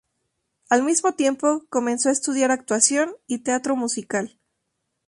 Al mismo tiempo comenzó a estudiar actuación y teatro musical.